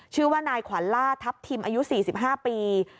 ชื่อว่านายขวัญล่าทัพทิมอายุ๔๕ปี